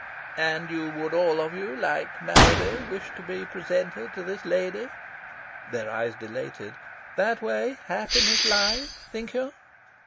"And you would all of you, like Marraby, wish to be presented to this lady?" Their eyes dilated. "That way happiness lies, think you?"